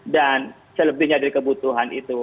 dan selebihnya dari kebutuhan itu